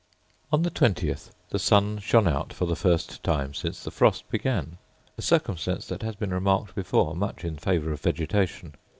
On the 20th the sun shone out for the first time since the frost began; a circumstance that has been remarked before much in favour of vegetation.